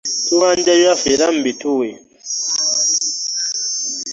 Tubanja byaffe, era mubituwe.